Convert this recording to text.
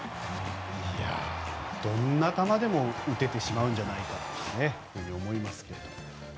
どんな球でも打ててしまうんじゃないかと思いますけども。